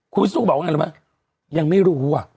คุณศูนย์บอกอย่างนั้นหรือเปล่ายังไม่รู้อ่ะ